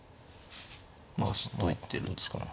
どう行ってるんですかね。